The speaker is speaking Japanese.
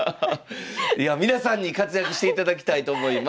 いや皆さんに活躍していただきたいと思います。